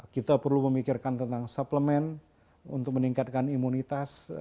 kita perlu memikirkan tentang suplemen untuk meningkatkan imunitas